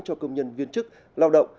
cho công nhân viên chức lao động